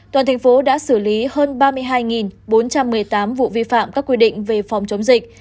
toàn thành phố đã xử lý hơn ba mươi hai bốn trăm một mươi tám vụ vi phạm các quy định về phòng chống dịch